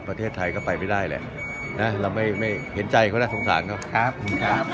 ประเทศไทยก็ไปไม่ได้แหละนะเราไม่ไม่เห็นใจเขานะสงสารเขาครับ